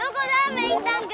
メインタンク！